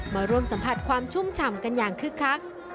มาร่วมสัมผัสความชุ่มฉ่ำกันอย่างคึกคัก